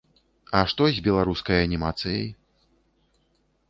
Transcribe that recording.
А што з беларускай анімацыяй?